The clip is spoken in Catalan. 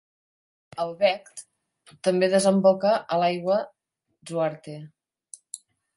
El Vecht també desemboca a l'aigua Zwarte.